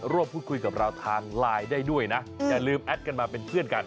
พูดคุยกับเราทางไลน์ได้ด้วยนะอย่าลืมแอดกันมาเป็นเพื่อนกัน